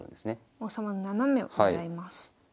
王様の斜めをねらいます。